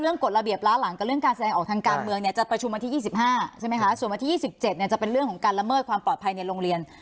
เรื่องกฎระเบียบล้าหลังกับเรื่องการแสดงออกทางการเมืองเนี้ยจะประชุมมาที่ยี่สิบห้าใช่ไหมคะส่วนมาที่ยี่สิบเจ็ดเนี้ยจะเป็นเรื่องของการละเมิดความปลอดภัยในโรงเรียน